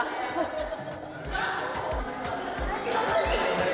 saya dapat babi berjenggot